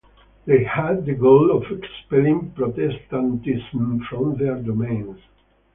They had the goal of expelling Protestantism from their domains.